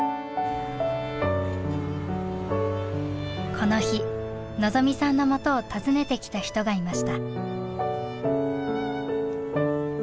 この日望未さんのもとを訪ねてきた人がいました。